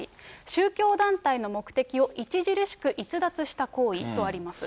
宗教団体の目的を著しく逸脱した行為とあります。